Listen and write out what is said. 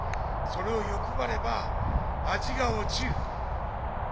それを欲張れば味が落ちる。